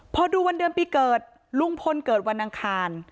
พอดูวันเดือนปีเกิดลุงพลเกิดวันอังคาร